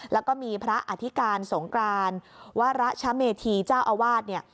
แล้วก็มีพระอธิการสงกรานวรัชเมธีเจ้าอาวาสเนี่ย